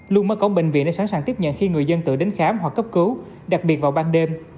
luôn mở cổng bệnh viện để sẵn sàng tiếp nhận khi người dân tự đến khám hoặc cấp cứu đặc biệt vào ban đêm